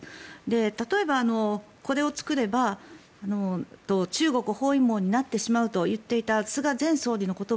例えばこれを作れば中国包囲網になってしまうと言っていた菅前総理の言葉